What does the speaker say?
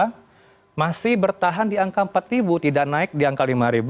hingga dua januari dua ribu dua puluh dua masih bertahan di angka empat tidak naik di angka lima